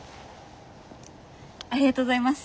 ありがとうございます。